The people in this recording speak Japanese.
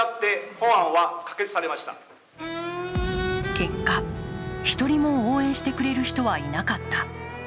結果、１人も応援してくれる人はいなかった。